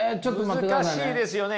難しいですよね。